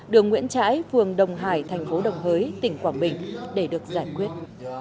đường nguyễn trãi phường đồng hải thành phố đồng hới tỉnh quảng bình để được giải quyết